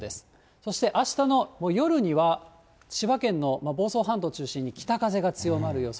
そして、あしたのもう夜には、千葉県の房総半島を中心に、北風が強まる予想。